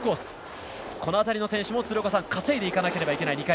この辺りの選手も、稼いでいかなければいけない